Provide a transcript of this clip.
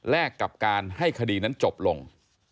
กับการให้คดีนั้นจบลง